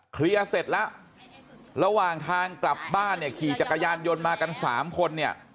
เคลียร์เสร็จแล้วระหว่างทางกลับบ้านเนี่ยขี่จักรยานยนต์มากันสามคนเนี่ย